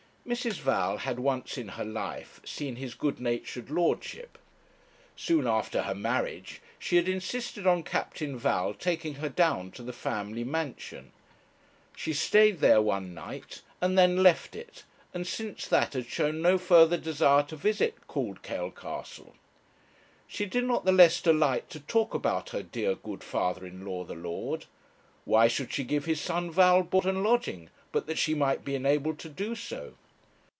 Mrs. Val had once in her life seen his good natured lordship. Soon after her marriage she had insisted on Captain Val taking her down to the family mansion. She stayed there one night, and then left it, and since that had shown no further desire to visit Cauldkail Castle. She did not the less delight to talk about her dear good father in law, the lord. Why should she give his son Val board and lodging, but that she might be enabled to do so?